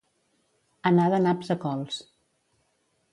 Anar de naps a cols.